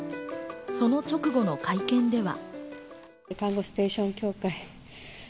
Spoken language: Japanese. その直後の会見では。